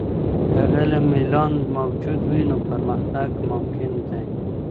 که د علم ميلان موجود وي، نو پرمختګ ممکن دی.